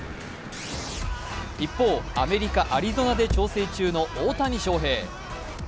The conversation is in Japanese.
一方、アメリカ・アリゾナで調整中の大谷翔平。